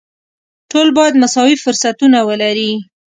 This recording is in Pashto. ټول باید مساوي فرصتونه ولري.